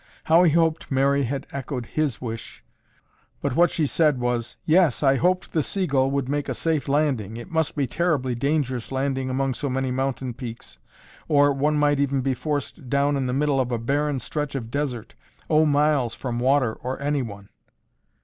How he hoped Mary had echoed his wish, but what she said was, "Yes, I hoped the Seagull would make a safe landing. It must be terribly dangerous landing among so many mountain peaks, or, one might even be forced down in the middle of a barren stretch of desert, oh, miles from water or anyone!"